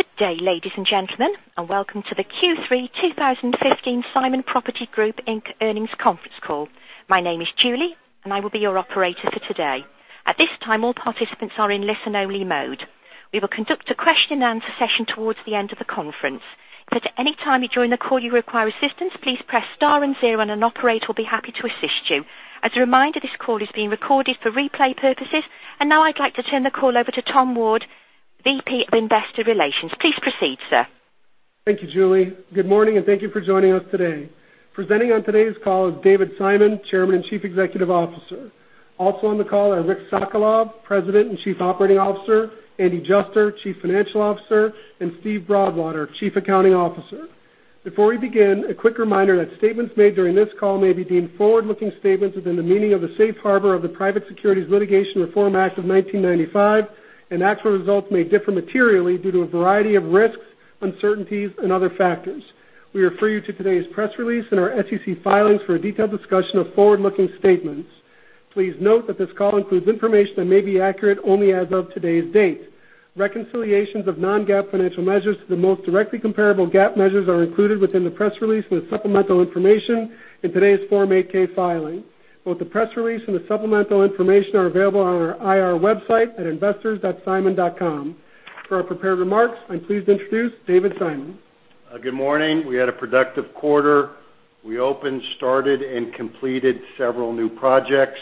Good day, ladies and gentlemen, and welcome to the Q3 2015 Simon Property Group Inc. earnings conference call. My name is Julie, and I will be your operator for today. At this time, all participants are in listen-only mode. We will conduct a question-and-answer session towards the end of the conference. If at any time you join the call you require assistance, please press star and zero, and an operator will be happy to assist you. As a reminder, this call is being recorded for replay purposes. Now I'd like to turn the call over to Tom Ward, Vice President of Investor Relations. Please proceed, sir. Thank you, Julie. Good morning, and thank you for joining us today. Presenting on today's call is David Simon, Chairman and Chief Executive Officer. Also on the call are Rick Sokolov, President and Chief Operating Officer, Andy Juster, Chief Financial Officer, and Steve Broadwater, Chief Accounting Officer. Before we begin, a quick reminder that statements made during this call may be deemed forward-looking statements within the meaning of the Safe Harbor of the Private Securities Litigation Reform Act of 1995, and actual results may differ materially due to a variety of risks, uncertainties, and other factors. We refer you to today's press release and our SEC filings for a detailed discussion of forward-looking statements. Please note that this call includes information that may be accurate only as of today's date. Reconciliations of non-GAAP financial measures to the most directly comparable GAAP measures are included within the press release with supplemental information in today's Form 8-K filing. Both the press release and the supplemental information are available on our IR website at investors.simon.com. For our prepared remarks, I'm pleased to introduce David Simon. Good morning. We had a productive quarter. We opened, started, and completed several new projects.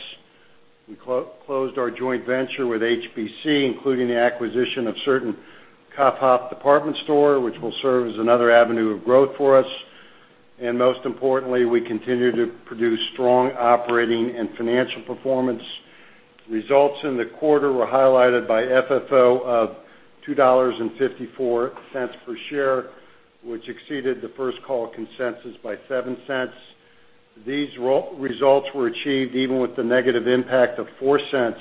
We closed our joint venture with HBC, including the acquisition of certain Kaufhof department store, which will serve as another avenue of growth for us. Most importantly, we continue to produce strong operating and financial performance. Results in the quarter were highlighted by FFO of $2.54 per share, which exceeded the First Call consensus by $0.07. These results were achieved even with the negative impact of $0.04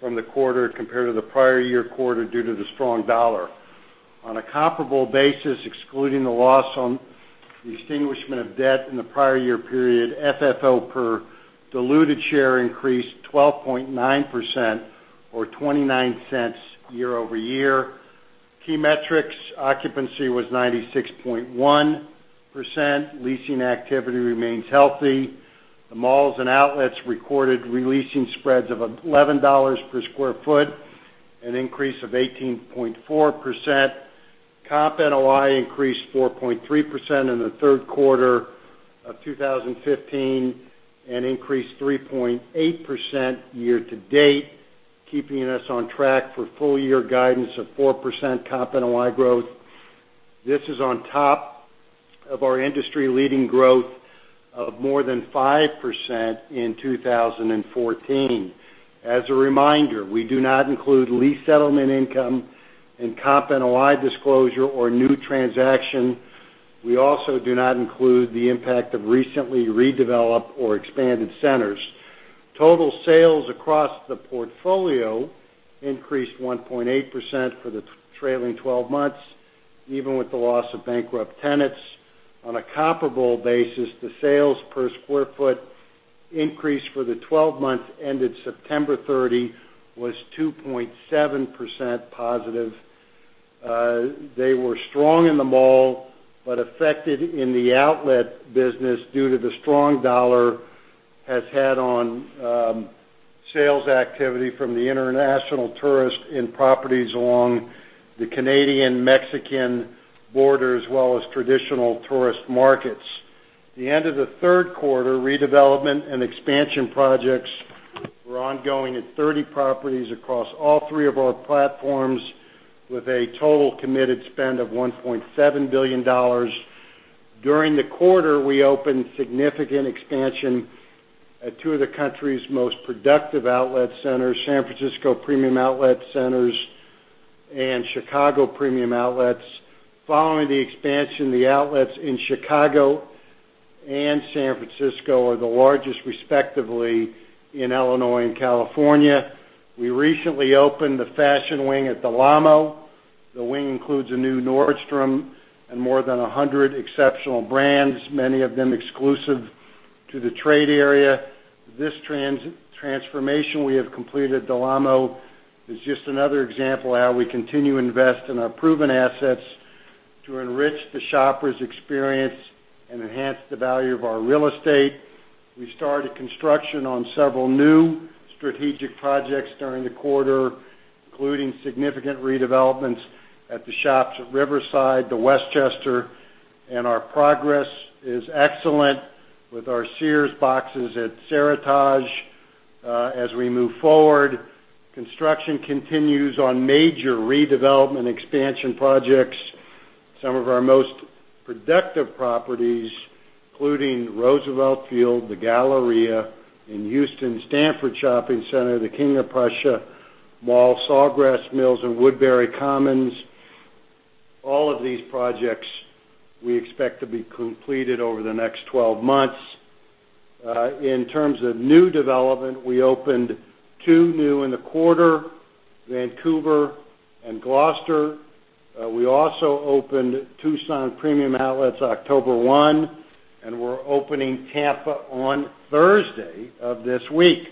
from the quarter compared to the prior-year quarter due to the strong dollar. On a comparable basis, excluding the loss on the extinguishment of debt in the prior-year period, FFO per diluted share increased 12.9% or $0.29 year-over-year. Key metrics occupancy was 96.1%. Leasing activity remains healthy. The malls and outlets recorded re-leasing spreads of $11 per square foot, an increase of 18.4%. Comp NOI increased 4.3% in the third quarter of 2015 and increased 3.8% year-to-date, keeping us on track for full year guidance of 4% Comp NOI growth. This is on top of our industry-leading growth of more than 5% in 2014. As a reminder, we do not include lease settlement income in Comp NOI disclosure or new transaction. We also do not include the impact of recently redeveloped or expanded centers. Total sales across the portfolio increased 1.8% for the trailing 12 months, even with the loss of bankrupt tenants. On a comparable basis, the sales per square foot increase for the 12 months ended September 30 was 2.7% positive. They were strong in the mall, but affected in the outlet business due to the strong dollar has had on sales activity from the international tourist in properties along the Canadian-Mexican border, as well as traditional tourist markets. The end of the third quarter redevelopment and expansion projects were ongoing at 30 properties across all three of our platforms, with a total committed spend of $1.7 billion. During the quarter, we opened significant expansion at two of the country's most productive outlet centers, San Francisco Premium Outlets and Chicago Premium Outlets. Following the expansion, the outlets in Chicago and San Francisco are the largest, respectively, in Illinois and California. We recently opened the fashion wing at Del Amo. The wing includes a new Nordstrom and more than 100 exceptional brands, many of them exclusive to the trade area. This transformation we have completed, Del Amo, is just another example of how we continue to invest in our proven assets to enrich the shopper's experience and enhance the value of our real estate. We started construction on several new strategic projects during the quarter, including significant redevelopments at the Shops at Riverside, the Westchester, and our progress is excellent with our Sears boxes at Seritage as we move forward. Construction continues on major redevelopment expansion projects, some of our most productive properties, including Roosevelt Field, the Galleria in Houston, Stanford Shopping Center, the King of Prussia Mall, Sawgrass Mills, and Woodbury Common. All of these projects we expect to be completed over the next 12 months. In terms of new development, we opened two new in the quarter, Vancouver and Gloucester. We also opened Tucson Premium Outlets October 1, and we're opening Tampa on Thursday of this week.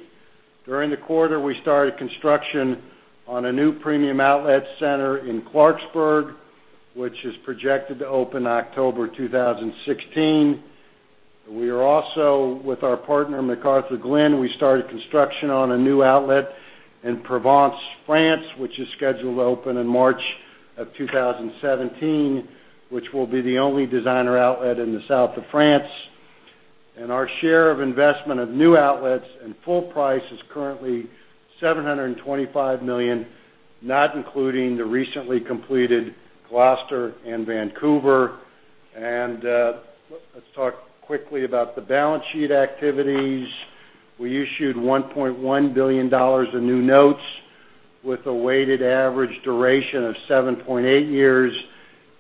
During the quarter, we started construction on a new premium outlet center in Clarksburg, which is projected to open October 2016. We are also, with our partner, McArthurGlen, we started construction on a new outlet in Provence, France, which is scheduled to open in March of 2017, which will be the only designer outlet in the South of France. Our share of investment of new outlets and full price is currently $725 million, not including the recently completed Gloucester and Vancouver. Let's talk quickly about the balance sheet activities. We issued $1.1 billion of new notes with a weighted average duration of 7.8 years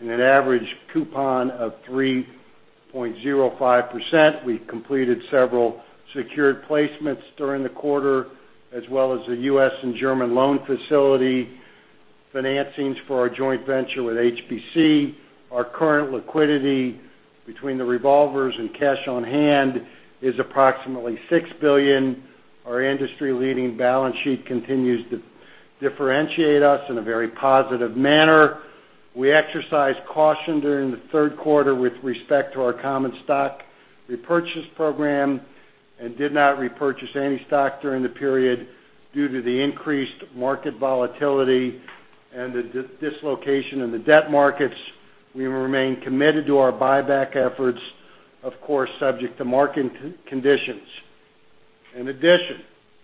and an average coupon of 3.05%. We completed several secured placements during the quarter, as well as the U.S. and German loan facility financings for our joint venture with HBC. Our current liquidity between the revolvers and cash on hand is approximately $6 billion. Our industry-leading balance sheet continues to differentiate us in a very positive manner. We exercised caution during the third quarter with respect to our common stock repurchase program and did not repurchase any stock during the period due to the increased market volatility and the dislocation in the debt markets. We remain committed to our buyback efforts, of course, subject to market conditions.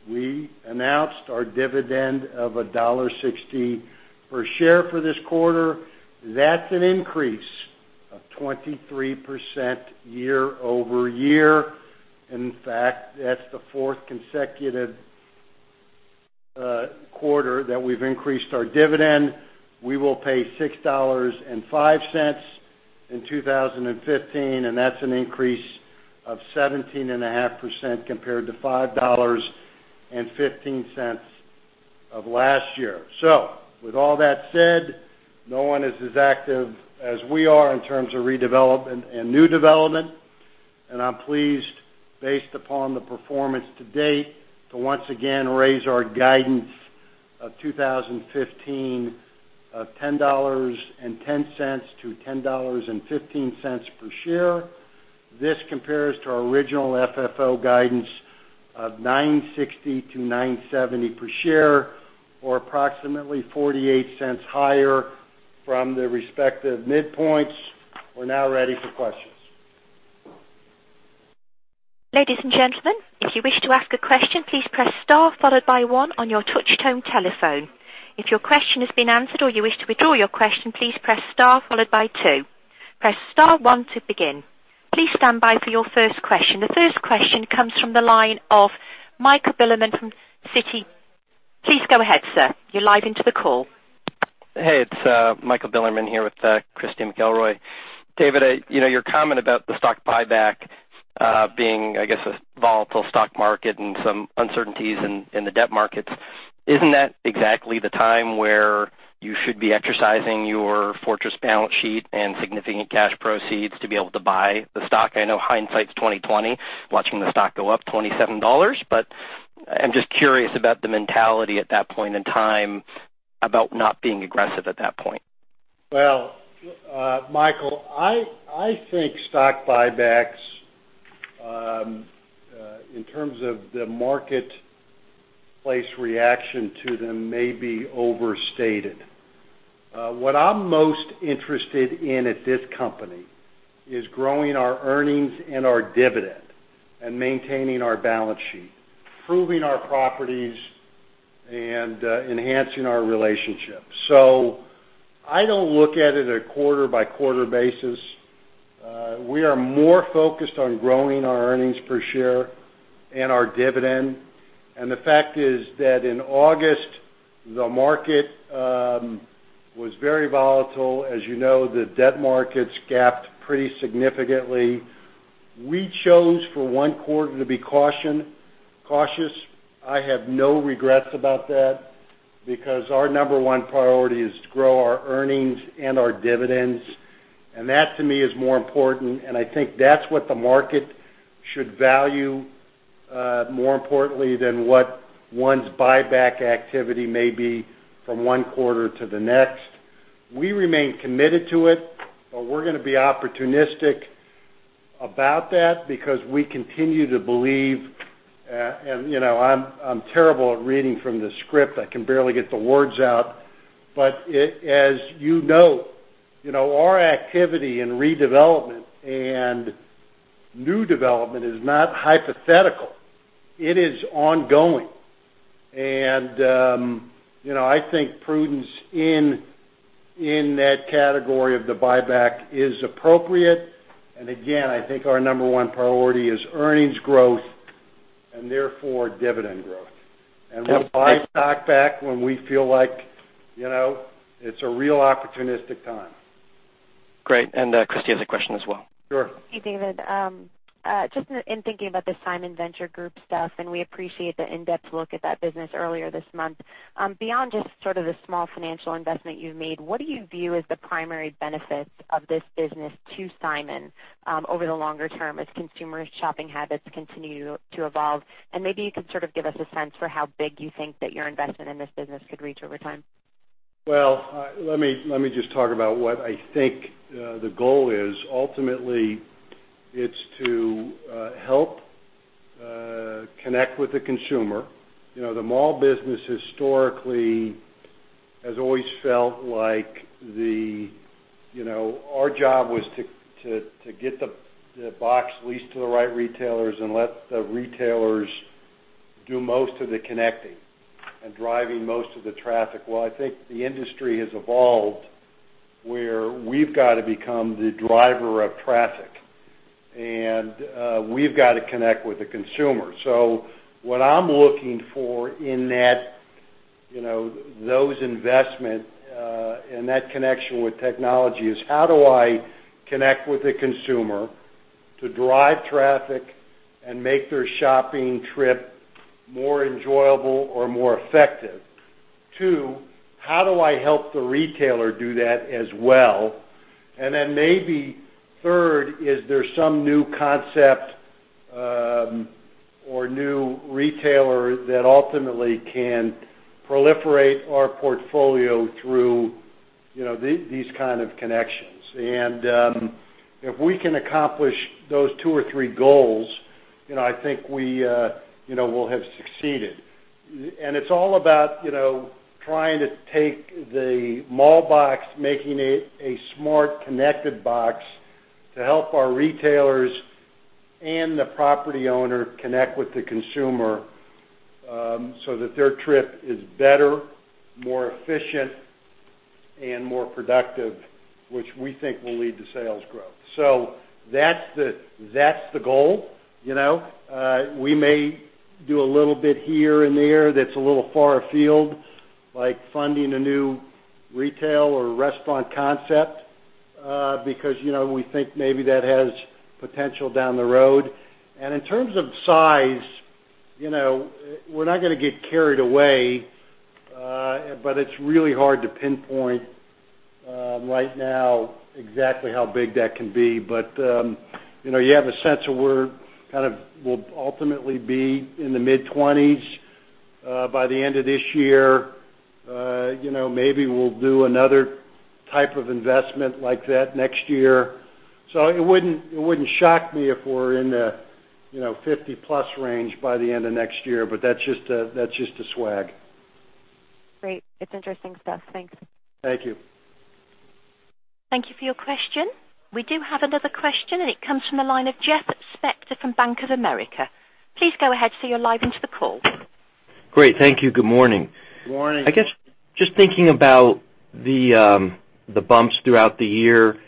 We announced our dividend of $1.60 per share for this quarter. That is an increase of 23% year-over-year. That is the fourth consecutive quarter that we have increased our dividend. We will pay $6.05 in 2015, and that is an increase of 17.5% compared to $5.15 of last year. With all that said, no one is as active as we are in terms of redevelopment and new development. I am pleased, based upon the performance to date, to once again raise our guidance of 2015 of $10.10-$10.15 per share. This compares to our original FFO guidance of $9.60-$9.70 per share, or approximately $0.48 higher from the respective midpoints. We are now ready for questions. Ladies and gentlemen, if you wish to ask a question, please press star 1 on your touch-tone telephone. If your question has been answered or you wish to withdraw your question, please press star 2. Press star 1 to begin. Please stand by for your first question. The first question comes from the line of Michael Bilerman from Citi. Please go ahead, sir. You are live into the call. Hey, it is Michael Bilerman here with Christy McElroy. David, your comment about the stock buyback being, I guess, a volatile stock market and some uncertainties in the debt markets, is not that exactly the time where you should be exercising your fortress balance sheet and significant cash proceeds to be able to buy the stock? I know hindsight is 2020, watching the stock go up $27, I am just curious about the mentality at that point in time about not being aggressive at that point. Well, Michael, I think stock buybacks, in terms of the marketplace reaction to them, may be overstated. What I'm most interested in at this company is growing our earnings and our dividend and maintaining our balance sheet, improving our properties, and enhancing our relationships. I don't look at it a quarter-by-quarter basis. We are more focused on growing our earnings per share and our dividend. The fact is that in August, the market was very volatile. As you know, the debt markets gapped pretty significantly. We chose for one quarter to be cautious. I have no regrets about that because our number one priority is to grow our earnings and our dividends, and that to me is more important, and I think that's what the market should value more importantly than what one's buyback activity may be from one quarter to the next. We remain committed to it, but we're going to be opportunistic about that because we continue to believe, and I'm terrible at reading from the script, I can barely get the words out, but as you know, our activity in redevelopment and new development is not hypothetical. It is ongoing. I think prudence in that category of the buyback is appropriate. Again, I think our number one priority is earnings growth and therefore dividend growth. We'll buy stock back when we feel like it's a real opportunistic time. Great. Christy has a question as well. Sure. Hey, David. Just in thinking about the Simon Ventures group stuff, and we appreciate the in-depth look at that business earlier this month. Beyond just sort of the small financial investment you've made, what do you view as the primary benefits of this business to Simon over the longer term as consumers' shopping habits continue to evolve? Maybe you can sort of give us a sense for how big you think that your investment in this business could reach over time. Well, let me just talk about what I think the goal is. Ultimately, it's to help connect with the consumer. The mall business historically has always felt like our job was to get the box leased to the right retailers and let the retailers do most of the connecting and driving most of the traffic. Well, I think the industry has evolved where we've got to become the driver of traffic, and we've got to connect with the consumer. What I'm looking for in those investment, and that connection with technology, is how do I connect with the consumer to drive traffic and make their shopping trip more enjoyable or more effective? 2, how do I help the retailer do that as well? Then maybe third, is there some new concept or new retailer that ultimately can proliferate our portfolio through these kind of connections? If we can accomplish those two or three goals, I think we'll have succeeded. It's all about trying to take the mall box, making it a smart, connected box to help our retailers and the property owner connect with the consumer, so that their trip is better, more efficient and more productive, which we think will lead to sales growth. That's the goal. We may do a little bit here and there that's a little far afield, like funding a new retail or restaurant concept, because we think maybe that has potential down the road. In terms of size, we're not going to get carried away, but it's really hard to pinpoint right now exactly how big that can be. You have a sense of where we'll ultimately be in the mid-20s by the end of this year. Maybe we'll do another type of investment like that next year. It wouldn't shock me if we're in the 50-plus range by the end of next year, but that's just a swag. Great. It's interesting stuff. Thanks. Thank you. Thank you for your question. We do have another question, and it comes from the line of Jeffrey Spector from Bank of America. Please go ahead so you're live into the call. Great, thank you. Good morning. Good morning. I guess, just thinking about the bumps throughout the year,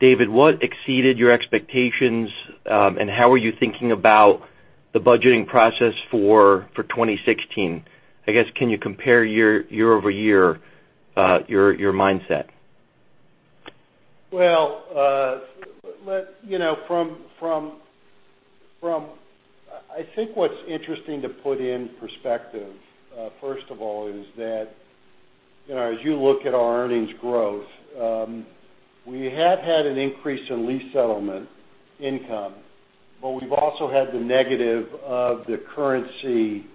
David, what exceeded your expectations, and how are you thinking about the budgeting process for 2016? I guess, can you compare year-over-year, your mindset? Well, I think what's interesting to put in perspective, first of all, is that as you look at our earnings growth, we have had an increase in lease settlement income, we've also had the negative of the currency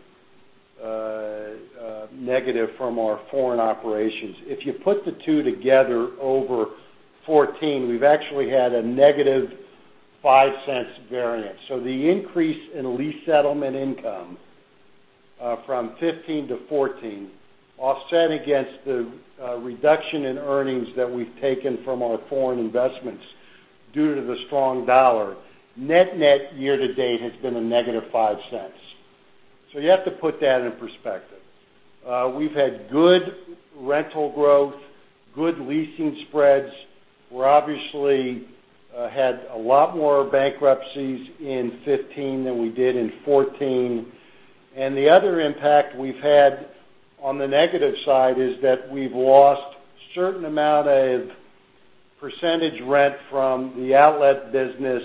negative from our foreign operations. If you put the two together over 2014, we've actually had a negative $0.05 variance. The increase in lease settlement income from 2015 to 2014, offset against the reduction in earnings that we've taken from our foreign investments due to the strong dollar, net-net year-to-date has been a negative $0.05. You have to put that in perspective. We've had good rental growth, good leasing spreads. We're obviously had a lot more bankruptcies in 2015 than we did in 2014. The other impact we've had on the negative side is that we've lost certain amount of percentage rent from the outlet business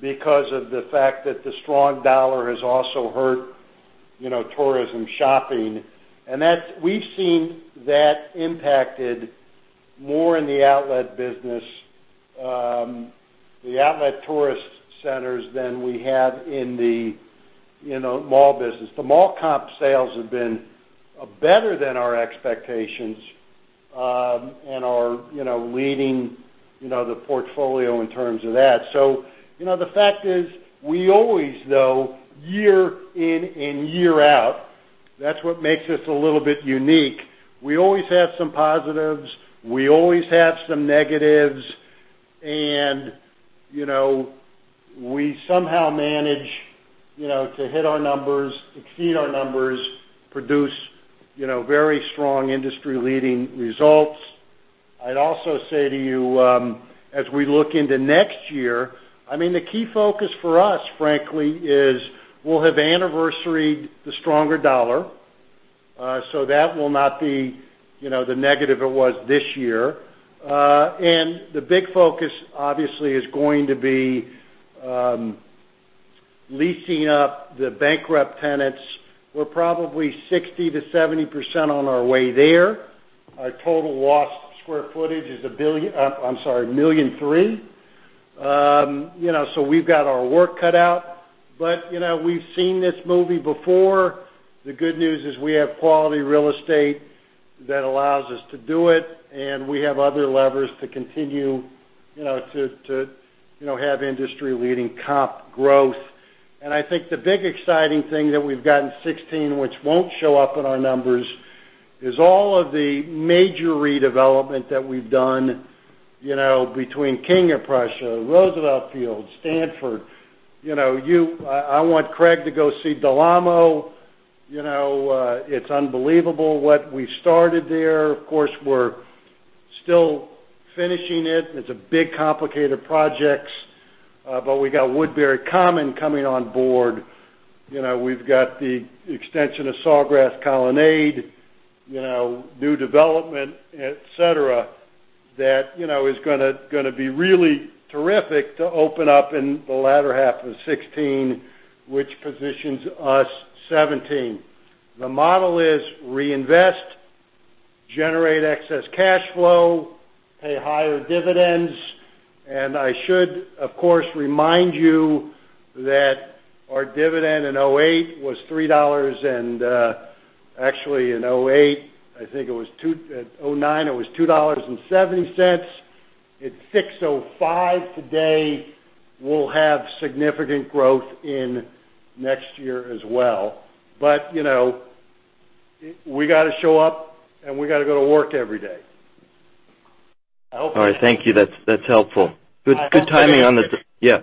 because of the fact that the strong dollar has also hurt tourism shopping, we've seen that impacted more in the outlet business, the outlet tourist centers than we have in the mall business. The mall comp sales have been better than our expectations and are leading the portfolio in terms of that. The fact is, we always know year in and year out, that's what makes us a little bit unique. We always have some positives, we always have some negatives, we somehow manage to hit our numbers, exceed our numbers, produce very strong industry-leading results. I'd also say to you, as we look into next year, the key focus for us, frankly, is we'll have anniversaried the stronger dollar. That will not be the negative it was this year. The big focus, obviously, is going to be leasing up the bankrupt tenants. We're probably 60%-70% on our way there. Our total lost square footage is 1.3 million. We've got our work cut out, we've seen this movie before. The good news is we have quality real estate that allows us to do it, we have other levers to continue to have industry-leading comp growth. I think the big exciting thing that we've got in 2016, which won't show up in our numbers, is all of the major redevelopment that we've done between King of Prussia, Roosevelt Field, Stanford. I want Craig to go see Del Amo. It's unbelievable what we started there. Of course, we're still finishing it. We got Woodbury Common coming on board. We've got the extension of Sawgrass Colonade, new development, et cetera, that is going to be really terrific to open up in the latter half of 2016, which positions us 2017. The model is reinvest, generate excess cash flow, pay higher dividends. I should, of course, remind you that our dividend in 2008 was $3. Actually in 2008, I think it was 2009, it was $2.70. It's $6.05 today. We'll have significant growth in next year as well. We got to show up, and we got to go to work every day. All right. Thank you. That's helpful. Good timing on the. I hope it answered. Yeah.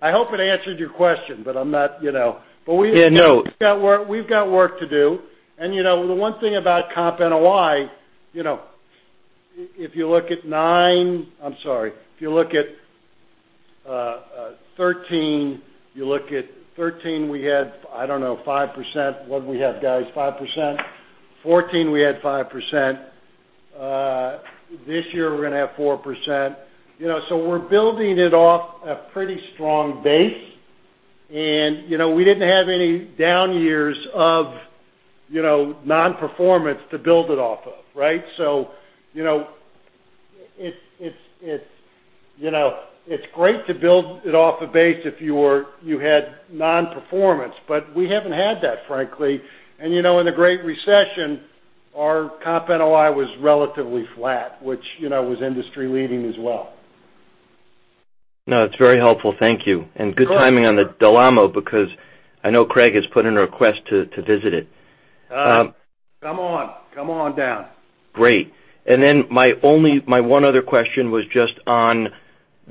I hope it answered your question, but I'm not. Yeah, no. We've got work to do. If you look at 2013, we had, I don't know, 5%. What'd we have, guys? 5%? 2014, we had 5%. This year, we're going to have 4%. We're building it off a pretty strong base, and we didn't have any down years of non-performance to build it off of, right? It's great to build it off a base if you had non-performance, but we haven't had that, frankly. In the Great Recession, our comp NOI was relatively flat, which was industry-leading as well. No, it's very helpful. Thank you. Of course. Good timing on the Del Amo, because I know Craig has put in a request to visit it. Come on down. Great. Then my one other question was just on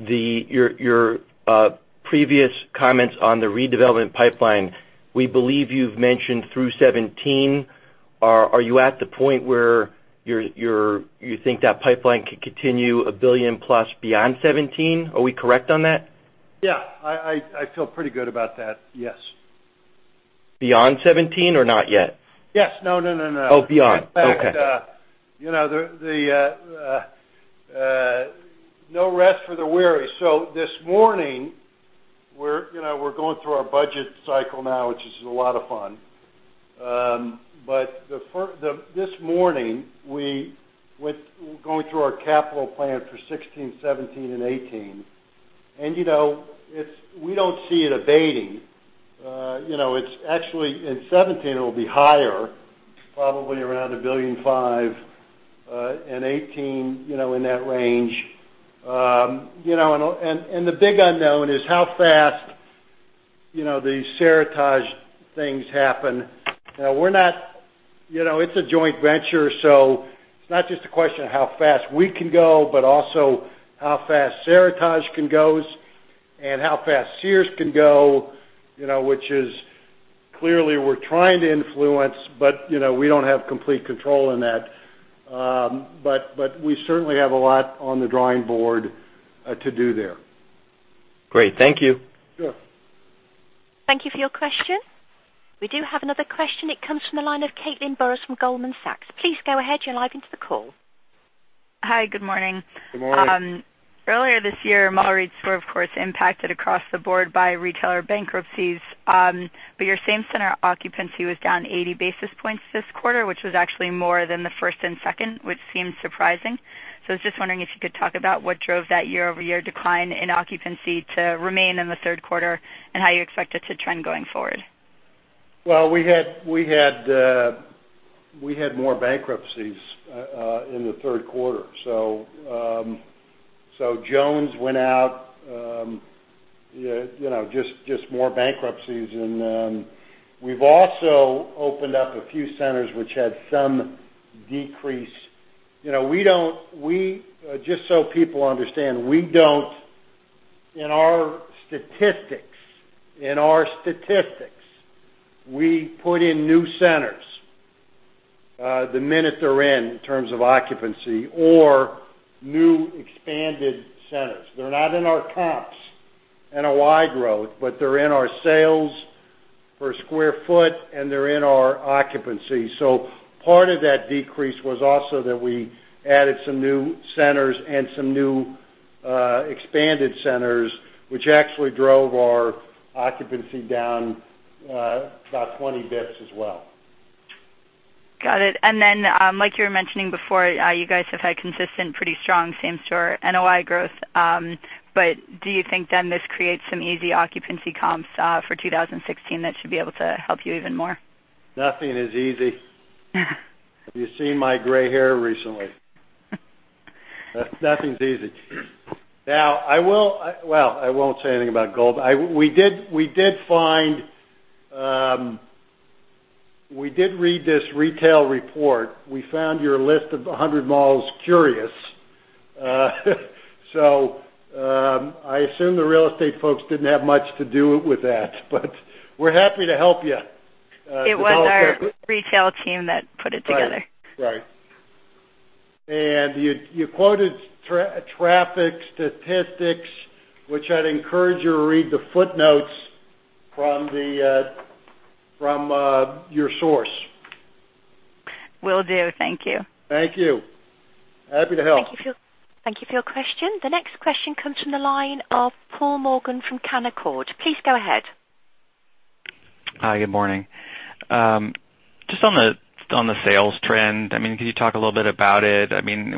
your previous comments on the redevelopment pipeline. We believe you've mentioned through 2017. Are you at the point where you think that pipeline could continue a $1 billion plus beyond 2017? Are we correct on that? Yeah. I feel pretty good about that. Yes. Beyond 2017 or not yet? Yes. No. Oh, beyond. Okay. In fact, no rest for the weary. This morning, we're going through our budget cycle now, which is a lot of fun. This morning, we're going through our capital plan for 2016, 2017, and 2018. We don't see it abating. It's actually, in 2017, it'll be higher, probably around $1.5 billion, and 2018 in that range. The big unknown is how fast these Seritage things happen. It's a joint venture, so it's not just a question of how fast we can go, but also how fast Seritage can go and how fast Sears can go, which is clearly we're trying to influence, but we don't have complete control in that. We certainly have a lot on the drawing board to do there. Great. Thank you. Sure. Thank you for your question. We do have another question. It comes from the line of Caitlin Burrows from Goldman Sachs. Please go ahead. You're live into the call. Hi. Good morning. Good morning. Earlier this year, mall rates were, of course, impacted across the board by retailer bankruptcies. Your same center occupancy was down 80 basis points this quarter, which was actually more than the first and second, which seemed surprising. I was just wondering if you could talk about what drove that year-over-year decline in occupancy to remain in the third quarter, and how you expect it to trend going forward. Well, we had more bankruptcies in the third quarter. Jones went out, just more bankruptcies. We've also opened up a few centers which had some decrease. Just so people understand, in our statistics, we put in new centers the minute they're in terms of occupancy, or new expanded centers. They're not in our comps, NOI growth, but they're in our sales per square foot, and they're in our occupancy. Part of that decrease was also that we added some new centers and some new expanded centers, which actually drove our occupancy down about 20 basis points as well. Got it. Like you were mentioning before, you guys have had consistent, pretty strong same-store NOI growth. Do you think then this creates some easy occupancy comps for 2016 that should be able to help you even more? Nothing is easy. Have you seen my gray hair recently? Nothing's easy. Now, well, I won't say anything about Goldman. We did read this retail report. We found your list of 100 malls curious. I assume the real estate folks didn't have much to do with that, but we're happy to help you develop that. It was our retail team that put it together. Right. You quoted traffic statistics, which I'd encourage you to read the footnotes from your source. Will do. Thank you. Thank you. Happy to help. Thank you for your question. The next question comes from the line of Paul Morgan from Canaccord. Please go ahead. Hi, good morning. Just on the sales trend, can you talk a little bit about it?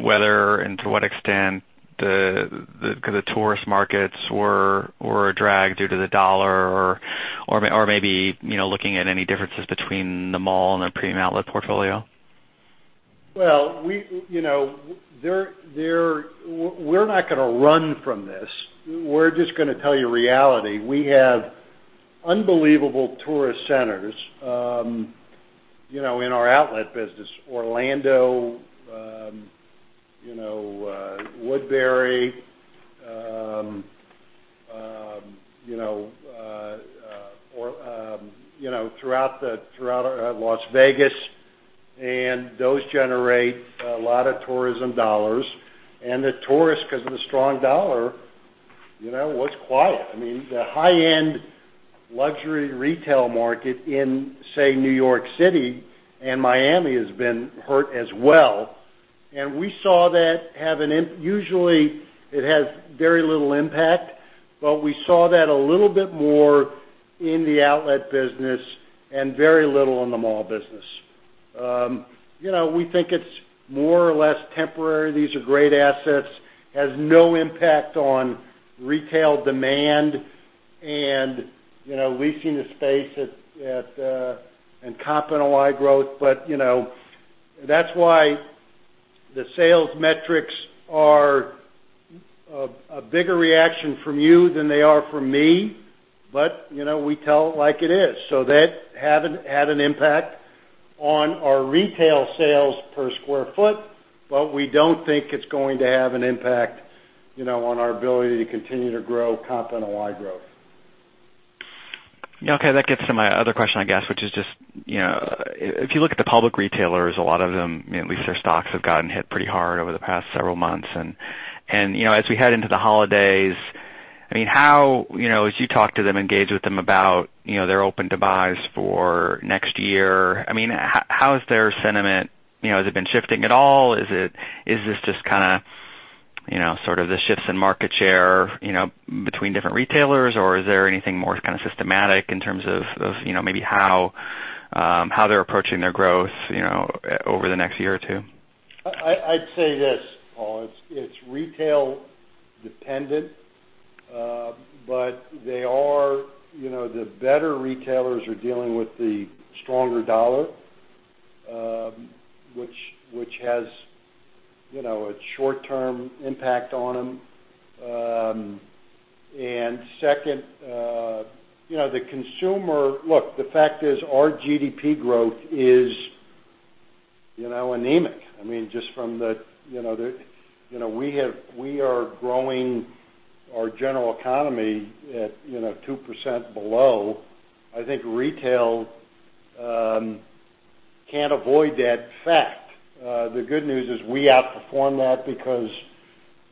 Whether and to what extent the tourist markets were a drag due to the dollar or maybe, looking at any differences between the mall and the premium outlet portfolio. Well, we're not going to run from this. We're just going to tell you reality. We have unbelievable tourist centers in our outlet business, Orlando, Woodbury, throughout Las Vegas, and those generate a lot of tourism dollars. The tourists, because of the strong dollar, was quiet. The high-end luxury retail market in, say, New York City and Miami has been hurt as well. We saw that usually it has very little impact, we saw that a little bit more in the outlet business and very little in the mall business. We think it's more or less temporary. These are great assets, has no impact on retail demand and leasing the space and comp NOI growth. That's why the sales metrics are a bigger reaction from you than they are from me. We tell it like it is. That had an impact on our retail sales per square foot, we don't think it's going to have an impact on our ability to continue to grow comp NOI growth. Yeah, okay. That gets to my other question, I guess, which is just, if you look at the public retailers, a lot of them, at least their stocks have gotten hit pretty hard over the past several months. As we head into the holidays, as you talk to them, engage with them about their open to buys for next year, how is their sentiment? Has it been shifting at all? Is this just sort of the shifts in market share between different retailers, or is there anything more kind of systematic in terms of maybe how they're approaching their growth over the next year or two? I'd say this, Paul, it's retail dependent, but the better retailers are dealing with the stronger dollar, which has a short-term impact on them. Second, the consumer, look, the fact is our GDP growth is anemic. We are growing our general economy at 2% below. I think retail can't avoid that fact. The good news is we outperform that because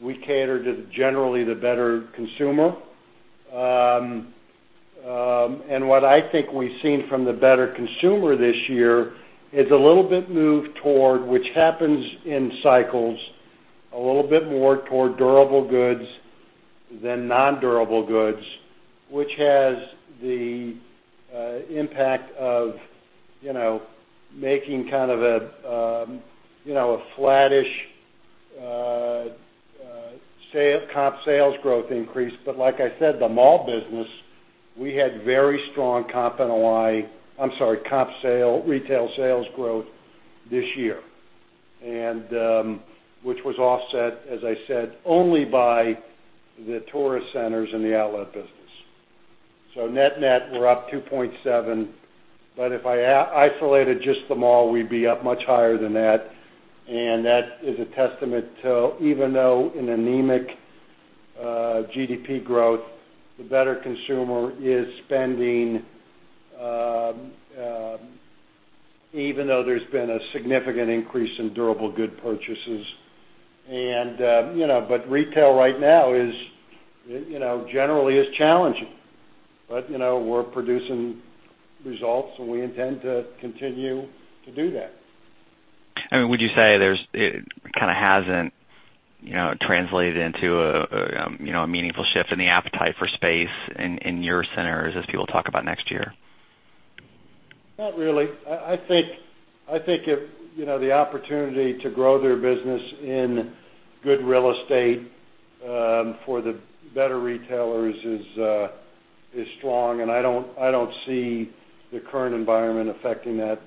we cater to generally the better consumer. What I think we've seen from the better consumer this year is a little bit move toward, which happens in cycles, a little bit more toward durable goods than non-durable goods, which has the impact of making kind of a flattish comp sales growth increase. Like I said, the mall business, we had very strong comp NOI, I'm sorry, comp retail sales growth this year, which was offset, as I said, only by the tourist centers and the outlet business. Net, we're up 2.7%, but if I isolated just the mall, we'd be up much higher than that, and that is a testament to, even though in an anemic GDP growth, the better consumer is spending, even though there's been a significant increase in durable good purchases. Retail right now generally is challenging. We're producing results, and we intend to continue to do that. Would you say it kind of hasn't translated into a meaningful shift in the appetite for space in your centers as people talk about next year? Not really. I think the opportunity to grow their business in good real estate, for the better retailers is strong. I don't see the current environment affecting that.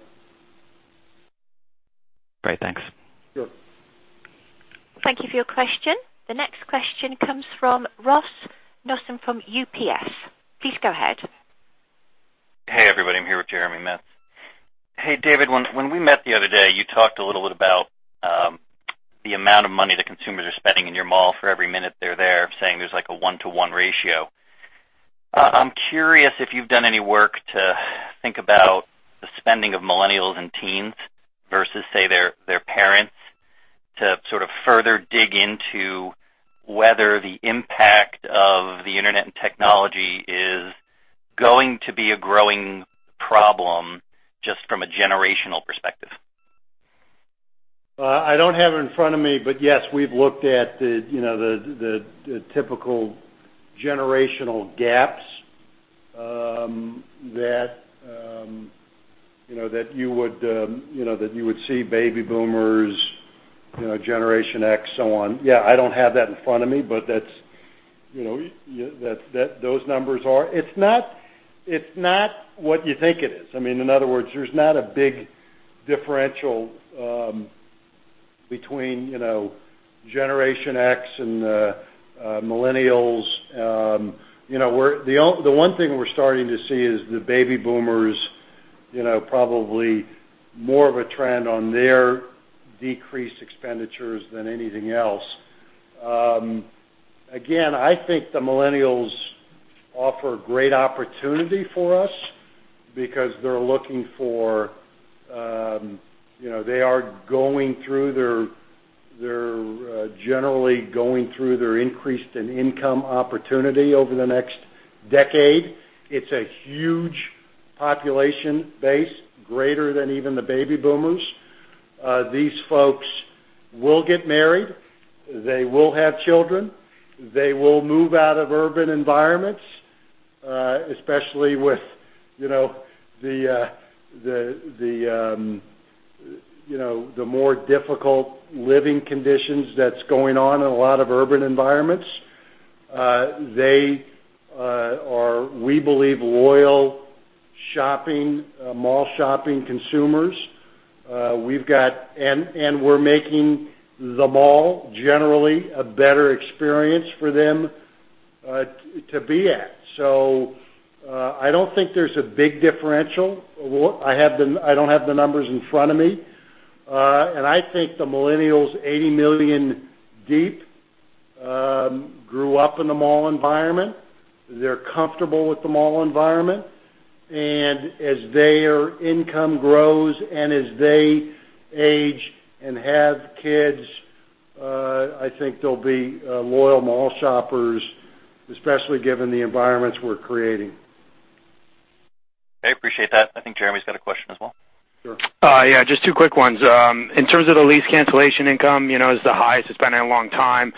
Great. Thanks. Sure. Thank you for your question. The next question comes from Ross Nussbaum from UBS. Please go ahead. Hey, everybody. I'm here with Jeremy Metz. Hey, David. When we met the other day, you talked a little bit about the amount of money that consumers are spending in your mall for every minute they're there, saying there's like a one-to-one ratio. I'm curious if you've done any work to think about the spending of millennials and teens versus, say, their parents to sort of further dig into whether the impact of the internet and technology is going to be a growing problem just from a generational perspective. I don't have it in front of me, yes, we've looked at the typical generational gaps that you would see Baby Boomers, Generation X, so on. I don't have that in front of me, but those numbers are. It's not what you think it is. In other words, there's not a big differential between Generation X and the Millennials. The one thing we're starting to see is the Baby Boomers, probably more of a trend on their decreased expenditures than anything else. Again, I think the Millennials offer great opportunity for us because they are generally going through their increase in income opportunity over the next decade. It's a huge population base, greater than even the Baby Boomers. These folks will get married, they will have children, they will move out of urban environments, especially with the more difficult living conditions that's going on in a lot of urban environments. They are, we believe, loyal mall shopping consumers. We've got. We're making the mall generally a better experience for them to be at. I don't think there's a big differential. I don't have the numbers in front of me. I think the Millennials, 80 million deep, grew up in the mall environment. They're comfortable with the mall environment. As their income grows and as they age and have kids, I think they'll be loyal mall shoppers, especially given the environments we're creating. Okay. Appreciate that. I think Jeremy's got a question as well. Sure. Just two quick ones. In terms of the lease cancellation income, it's the highest it's been in a long time.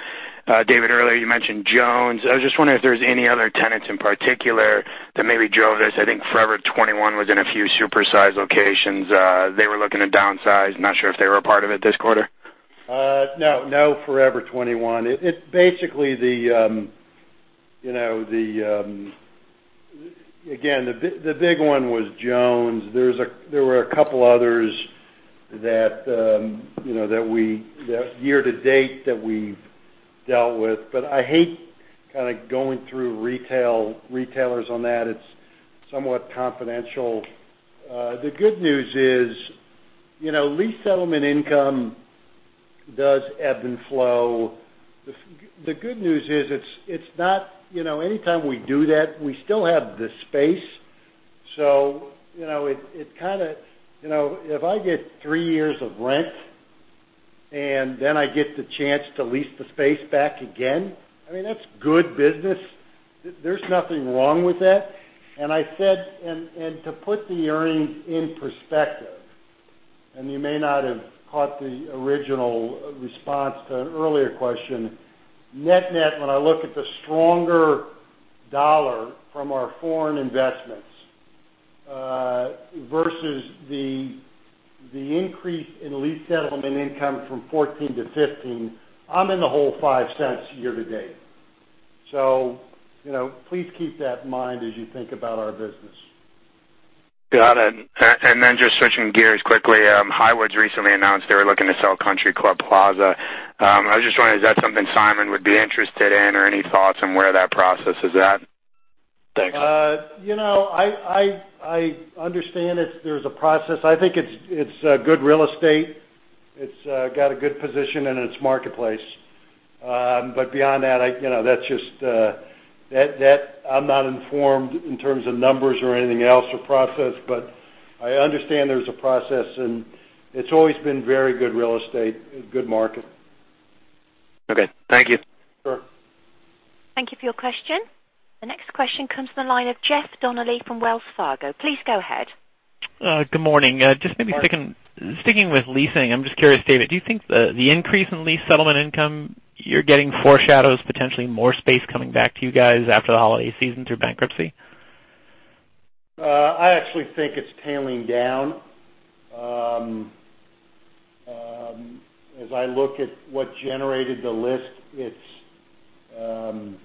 David, earlier you mentioned Jones. I was just wondering if there's any other tenants in particular that maybe drove this. I think Forever 21 was in a few super-sized locations. They were looking to downsize. Not sure if they were a part of it this quarter. Forever 21. It's basically the big one was Jones. There were a couple others year to date that we've dealt with. I hate kind of going through retailers on that. It's somewhat confidential. The good news is lease settlement income does ebb and flow. The good news is anytime we do that, we still have the space. If I get three years of rent, I get the chance to lease the space back again, that's good business. There's nothing wrong with that. To put the earnings in perspective, and you may not have caught the original response to an earlier question, net-net, when I look at the stronger dollar from our foreign investments versus the increase in lease settlement income from 2014 to 2015, I'm in the whole $0.05 year to date. Please keep that in mind as you think about our business. Got it. Just switching gears quickly, Highwoods recently announced they were looking to sell Country Club Plaza. I was just wondering, is that something Simon would be interested in, or any thoughts on where that process is at? Thanks. I understand there's a process. I think it's a good real estate. It's got a good position in its marketplace. Beyond that, I'm not informed in terms of numbers or anything else or process, but I understand there's a process, and it's always been very good real estate, good market. Okay. Thank you. Sure. Thank you for your question. The next question comes from the line of Jeff Donnelly from Wells Fargo. Please go ahead. Good morning. Morning. Just maybe sticking with leasing. I'm just curious, David, do you think the increase in lease settlement income you're getting foreshadows potentially more space coming back to you guys after the holiday season through bankruptcy? I actually think it's tailing down. As I look at what generated the list, it's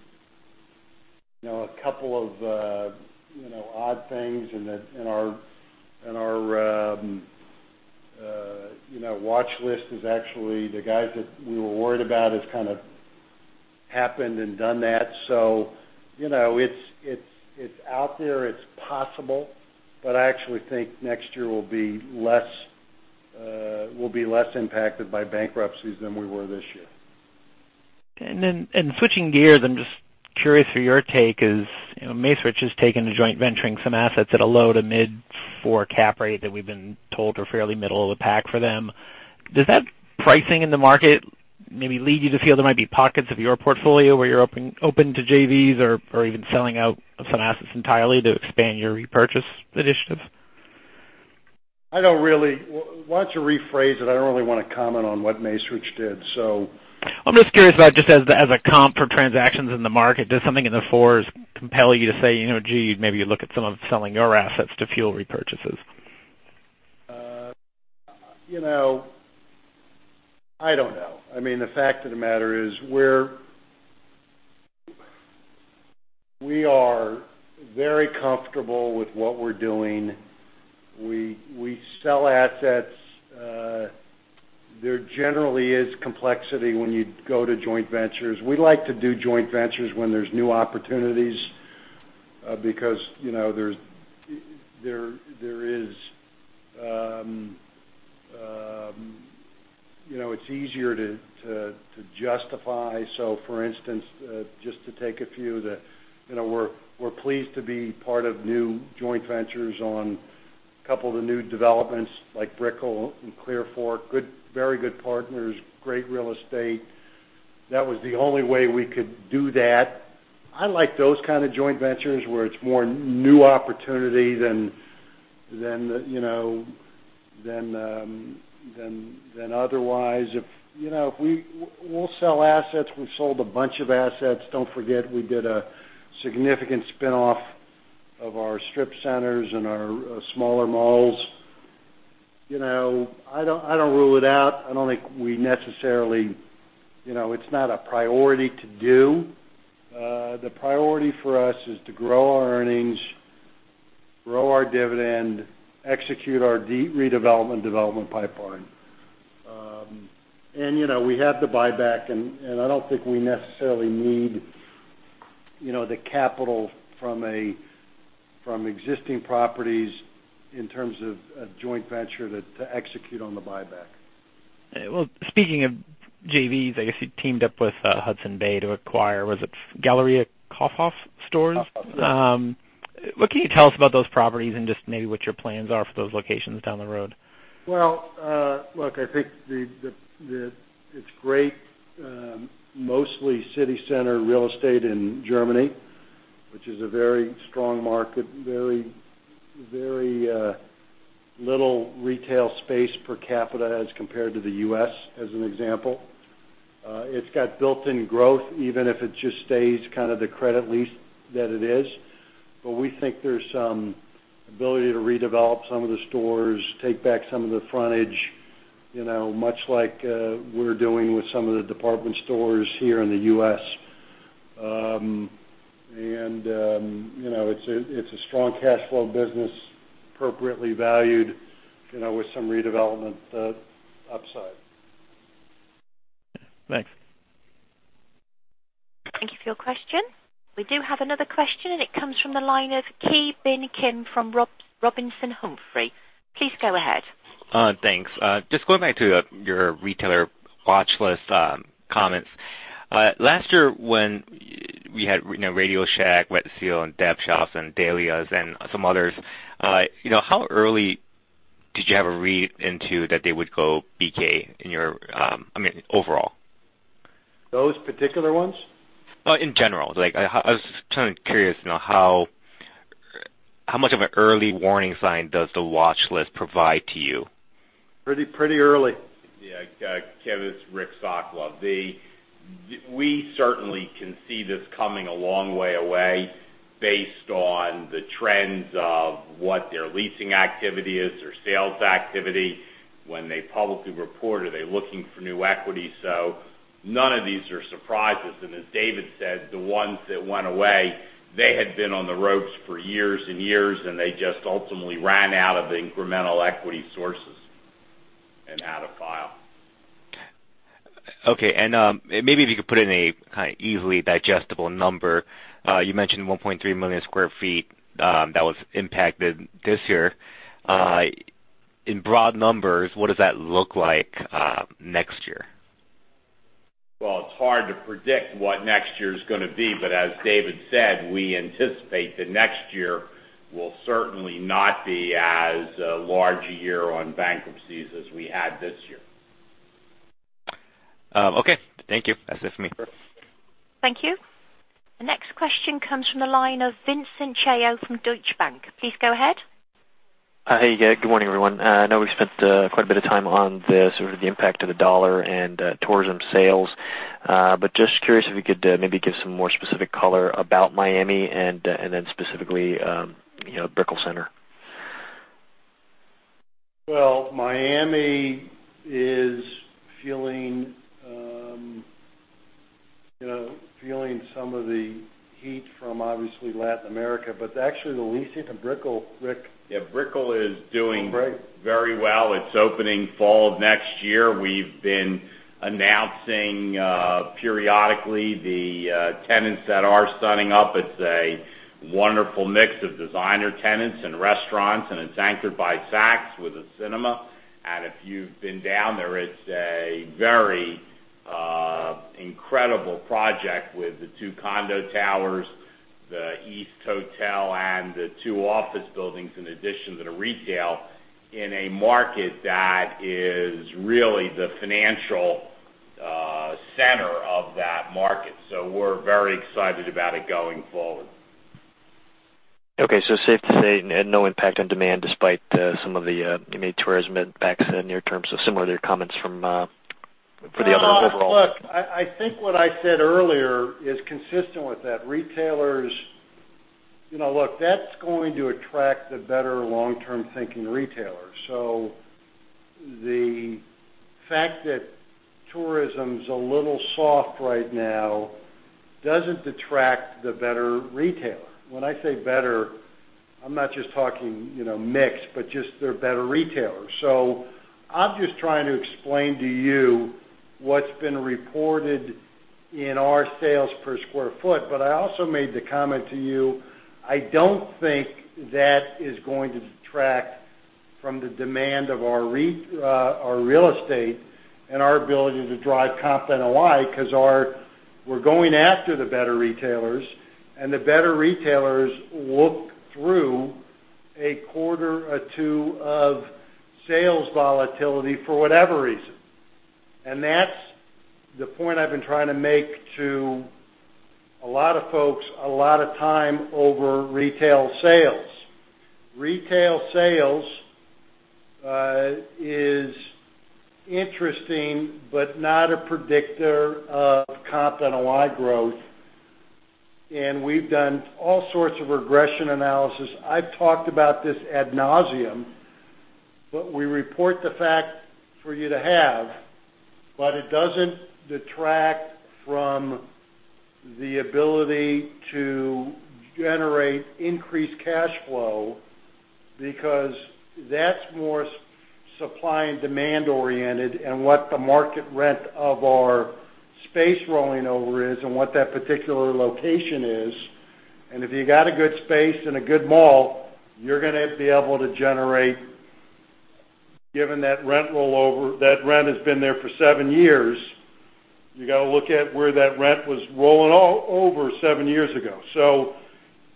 a couple of odd things, our watch list is actually the guys that we were worried about has happened and done that. It's out there, it's possible, I actually think next year we'll be less impacted by bankruptcies than we were this year. Switching gears, I'm just curious for your take, as Macerich has taken to joint venturing some assets at a low to mid-4 cap rate that we've been told are fairly middle of the pack for them. Does that pricing in the market maybe lead you to feel there might be pockets of your portfolio where you're open to JVs or even selling out some assets entirely to expand your repurchase initiatives? Why don't you rephrase it? I don't really want to comment on what Macerich did. I'm just curious about just as a comp for transactions in the market, does something in the 4s compel you to say, "Gee," maybe you look at some of selling your assets to fuel repurchases. I don't know. The fact of the matter is, we are very comfortable with what we're doing. We sell assets. There generally is complexity when you go to joint ventures. We like to do joint ventures when there's new opportunities, because it's easier to justify. For instance, just to take a few that we're pleased to be part of new joint ventures on a couple of the new developments like Brickell and Clearfork. Very good partners, great real estate. That was the only way we could do that. I like those kind of joint ventures where it's more new opportunity than otherwise. We'll sell assets. We've sold a bunch of assets. Don't forget, we did a significant spinoff of our strip centers and our smaller malls. I don't rule it out. It's not a priority to do. The priority for us is to grow our earnings, grow our dividend, execute our deep redevelopment development pipeline. We have the buyback, and I don't think we necessarily need the capital from existing properties in terms of a joint venture to execute on the buyback. Speaking of JVs, I guess you teamed up with Hudson's Bay to acquire, was it Galeria Kaufhof stores? Kaufhof, yes. What can you tell us about those properties and just maybe what your plans are for those locations down the road? Well, look, I think it's great. Mostly city center real estate in Germany, which is a very strong market. Very little retail space per capita as compared to the U.S., as an example. It's got built-in growth, even if it just stays the credit lease that it is. We think there's some ability to redevelop some of the stores, take back some of the frontage, much like we're doing with some of the department stores here in the U.S. It's a strong cash flow business, appropriately valued, with some redevelopment upside. Thanks. Thank you for your question. We do have another question. It comes from the line of Ki Bin Kim from Robinson Humphrey. Please go ahead. Thanks. Just going back to your retailer watchlist comments. Last year when we had RadioShack, Wet Seal, and Deb Shops and Delia's and some others, how early did you have a read into that they would go BK overall? Those particular ones? In general. I was just curious to know how much of an early warning sign does the watchlist provide to you? Pretty early. Yeah, Ki. It's Rick Sokolov. We certainly can see this coming a long way away based on the trends of what their leasing activity is, their sales activity. When they publicly report, are they looking for new equity? None of these are surprises. As David said, the ones that went away, they had been on the ropes for years and years, and they just ultimately ran out of the incremental equity sources and had to file. Okay. Maybe if you could put it in a kind of easily digestible number. You mentioned 1.3 million square feet that was impacted this year. In broad numbers, what does that look like next year? Well, it's hard to predict what next year's going to be, but as David said, we anticipate that next year will certainly not be as large a year on bankruptcies as we had this year. Okay. Thank you. That's it for me. Sure. Thank you. The next question comes from the line of Vincent Chao from Deutsche Bank. Please go ahead. Hey, good morning, everyone. I know we spent quite a bit of time on the sort of impact of the dollar and tourism sales, just curious if you could maybe give some more specific color about Miami and then specifically, Brickell Center. Well, Miami is feeling some of the heat from, obviously, Latin America, but actually the leasing of Brickell, Rick. Yeah, Brickell is doing very well. It's opening fall of next year. We've been announcing periodically the tenants that are signing up. It's a wonderful mix of designer tenants and restaurants, and it's anchored by Saks with a cinema. If you've been down there, it's a very incredible project with the two condo towers, the EAST Hotel, and the two office buildings, in addition to the retail, in a market that is really the financial center of that market. We're very excited about it going forward. Okay, safe to say, no impact on demand despite some of the immediate tourism impacts in the near term. Similar to your comments for the overall. Look, I think what I said earlier is consistent with that. Look, that's going to attract the better long-term thinking retailers. The fact that tourism's a little soft right now doesn't detract the better retailer. When I say better, I'm not just talking mix, but just they're better retailers. I'm just trying to explain to you what's been reported in our sales per square foot. I also made the comment to you, I don't think that is going to detract from the demand of our real estate and our ability to drive comp and NOI, because we're going after the better retailers, and the better retailers look through a quarter or two of sales volatility for whatever reason. That's the point I've been trying to make to a lot of folks, a lot of time over retail sales. Retail sales is interesting, but not a predictor of comp and NOI growth. We've done all sorts of regression analysis. I've talked about this ad nauseam, but we report the facts for you to have, but it doesn't detract from the ability to generate increased cash flow because that's more supply and demand oriented and what the market rent of our space rolling over is and what that particular location is. If you got a good space and a good mall, you're going to be able to generate, given that rent rollover, that rent has been there for seven years. You got to look at where that rent was rolling over seven years ago.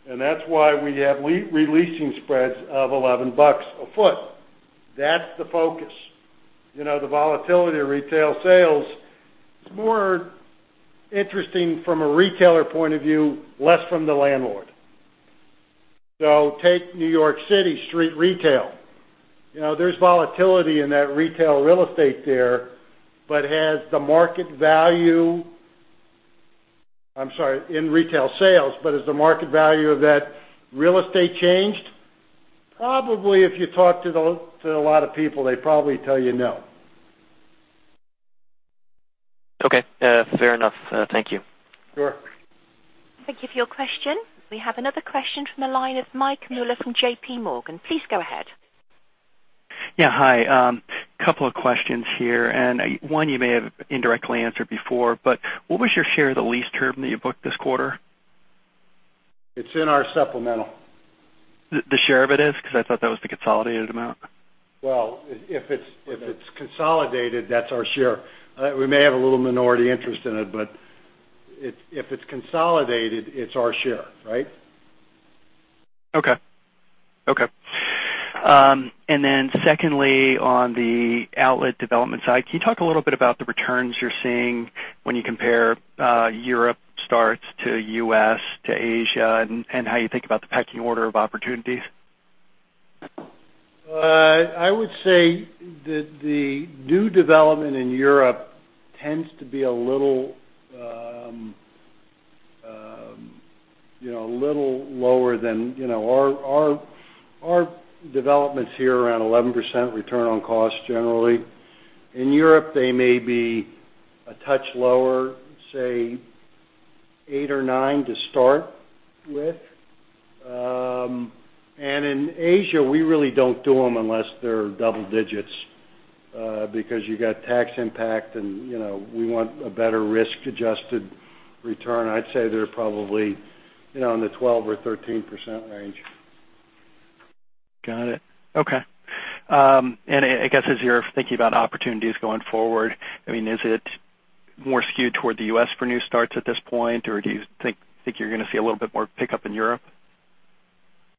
That's why we have re-leasing spreads of $11 a foot. That's the focus. The volatility of retail sales is more interesting from a retailer point of view, less from the landlord. Take New York Citi street retail. There's volatility in that retail real estate there, I'm sorry, in retail sales, but has the market value of that real estate changed? Probably, if you talk to a lot of people, they'd probably tell you no. Okay. Fair enough. Thank you. Sure. Thank you for your question. We have another question from the line of Mike Mueller from JPMorgan. Please go ahead. Hi. Couple of questions here. One you may have indirectly answered before, but what was your share of the lease term that you booked this quarter? It's in our supplemental. The share of it is? Because I thought that was the consolidated amount. Well, if it's consolidated, that's our share. We may have a little minority interest in it, but if it's consolidated, it's our share. Right? Okay. secondly, on the outlet development side, can you talk a little bit about the returns you're seeing when you compare Europe starts to U.S. to Asia and how you think about the pecking order of opportunities? I would say that the new development in Europe tends to be a little lower than our developments here, around 11% return on cost, generally. In Europe, they may be a touch lower, say, eight or nine to start with. In Asia, we really don't do them unless they're double digits, because you got tax impact and we want a better risk-adjusted return. I'd say they're probably in the 12% or 13% range. Got it. Okay. I guess, as you're thinking about opportunities going forward, is it more skewed toward the U.S. for new starts at this point? Or do you think you're going to see a little bit more pickup in Europe?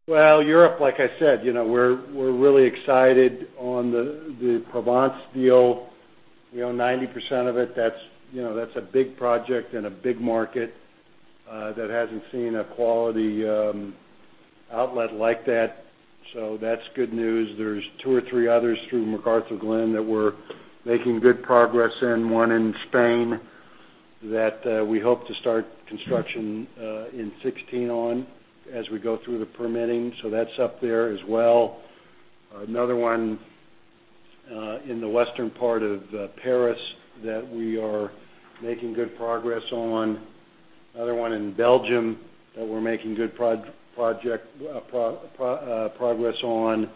Europe, like I said, we're really excited on the Provence deal. We own 90% of it. That's a big project and a big market, that hasn't seen a quality outlet like that. That's good news. There's two or three others through McArthurGlen that we're making good progress in, one in Spain that we hope to start construction in 2016 on as we go through the permitting. That's up there as well. Another one in the western part of Paris that we are making good progress on. Another one in Belgium that we're making good progress on.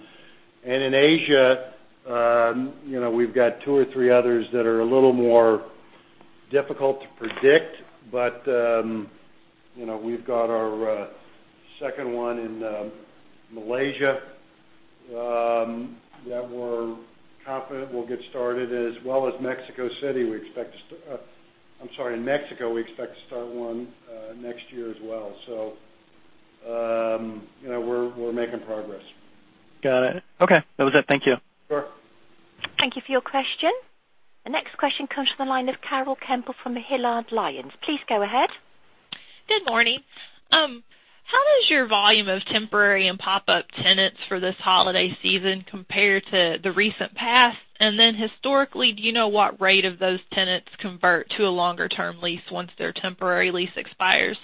In Asia, we've got two or three others that are a little more difficult to predict. We've got our second one in Malaysia, that we're confident we'll get started as well as Mexico, we expect to start one next year as well. We're making progress. Got it. Okay. That was it. Thank you. Sure. Thank you for your question. The next question comes from the line of Carol Kemple from Hilliard Lyons. Please go ahead. Good morning. How does your volume of temporary and pop-up tenants for this holiday season compare to the recent past? Historically, do you know what rate of those tenants convert to a longer-term lease once their temporary lease expires?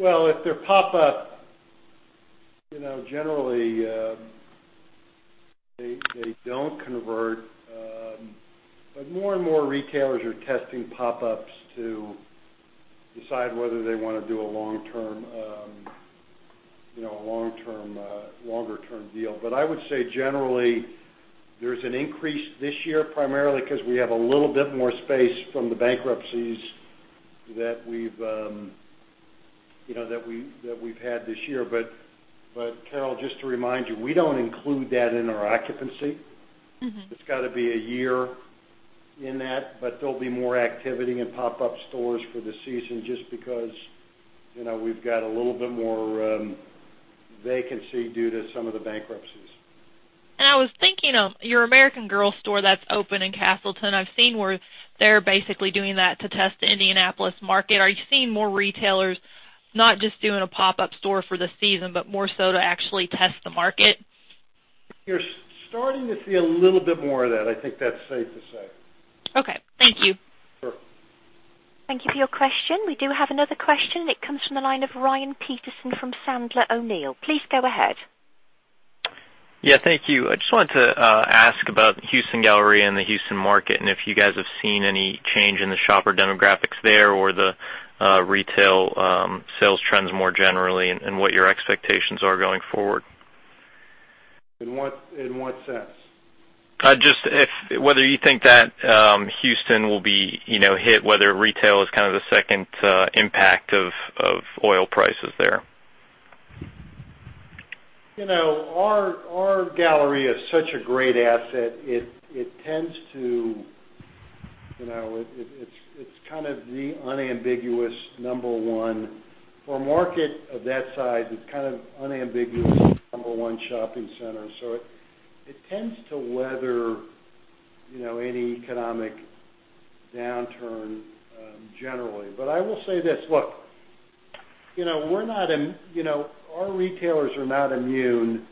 Well, if they're pop-up, generally, they don't convert. More and more retailers are testing pop-ups to decide whether they want to do a longer-term deal. I would say generally, there's an increase this year, primarily because we have a little bit more space from the bankruptcies that we've had this year. Carol, just to remind you, we don't include that in our occupancy. It's got to be a year in that, but there'll be more activity in pop-up stores for the season just because we've got a little bit more vacancy due to some of the bankruptcies. I was thinking of your American Girl store that's open in Castleton. I've seen where they're basically doing that to test the Indianapolis market. Are you seeing more retailers not just doing a pop-up store for the season, but more so to actually test the market? You're starting to see a little bit more of that. I think that's safe to say. Okay. Thank you. Sure. Thank you for your question. We do have another question. It comes from the line of Ryan Peterson from Sandler O'Neill. Please go ahead. Yeah, thank you. I just wanted to ask about Houston Galleria and the Houston market, and if you guys have seen any change in the shopper demographics there or the retail sales trends more generally, and what your expectations are going forward. In what sense? Just whether you think that Houston will be hit, whether retail is kind of the second impact of oil prices there. Our Galleria is such a great asset. It's kind of the unambiguous number one. For a market of that size, it's kind of unambiguously the number one shopping center. It tends to weather any economic downturn, generally. I will say this, look, our retailers are not immune